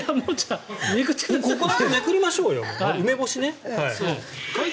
ここだけめくりましょうよ梅干しね。